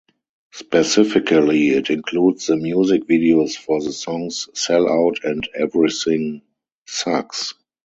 Specifically, it includes the music videos for the songs "Sell Out" and "Everything Sucks.